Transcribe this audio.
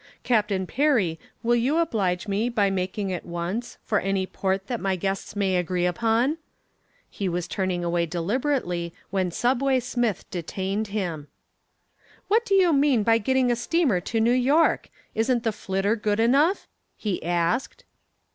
Captain Perry, will you oblige me by making at once for any port that my guests may agree upon?" He was turning away deliberately when "Subway" Smith detained him. "What do you mean by getting a steamer to New York? Isn't the 'Flitter' good enough?" he asked.